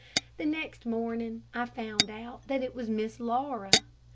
The next morning I found out that it was Miss Laura.